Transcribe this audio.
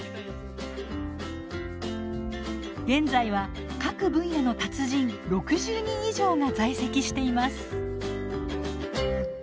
現在は各分野の達人６０人以上が在籍しています。